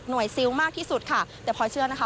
หน่วยซิลมากที่สุดค่ะแต่พอเชื่อนะคะ